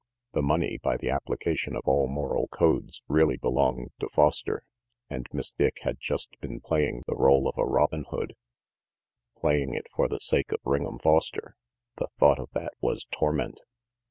The money, by the application of all moral codes, really belonged to Foster, and Miss Dick had just been playing the role of a Robin Hood. Playing it for the sake of Ring'em Foster! The thought of that was torment.